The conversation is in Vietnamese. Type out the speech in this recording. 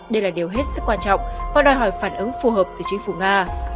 đây là điều hết sức quan trọng và đòi hỏi phản ứng phù hợp từ chính phủ nga